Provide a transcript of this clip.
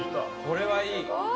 これはいい！